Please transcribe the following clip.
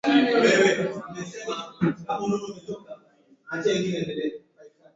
kwa binadamu kwa baadhi ya makadirio hii